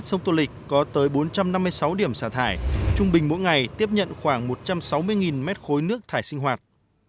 sông tô lịch có tới bốn trăm năm mươi sáu điểm sạt hải trung bình mỗi ngày tiếp nhận khoảng một trăm sáu mươi m ba nước thải sinh hoạt